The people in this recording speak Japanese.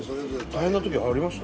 大変な時ありました？